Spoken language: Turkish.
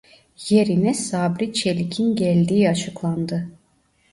Yerine Sabri Çelik'in geldiği açıklandı.